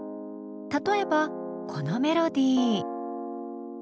例えばこのメロディー。